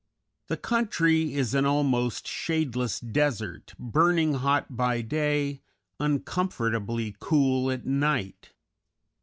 The country is an almost shadeless desert, burning hot by day, uncomfortably cool at night.